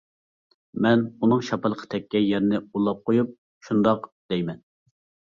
مەن ئۇنىڭ شاپىلىقى تەگكەن يەرنى ئۇۋىلاپ قويۇپ: «شۇنداق. » دەيمەن.